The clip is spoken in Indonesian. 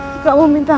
jangan demi saya